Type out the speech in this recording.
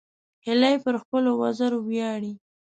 هیلۍ پر خپلو وزرو ویاړي